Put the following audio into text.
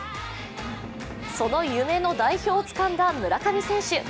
その夢の代表をつかんだ村上選手。